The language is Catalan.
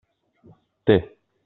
Té.